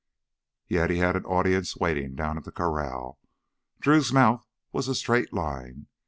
Yet he had an audience waiting down at the corral. Drew's mouth was a straight line.